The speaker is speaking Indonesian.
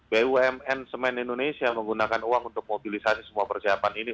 bumn semen indonesia menggunakan uang untuk mobilisasi semua persiapan ini